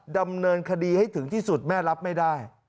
ดำเนินคดีให้ถึงที่สุดแม่รับไม่ได้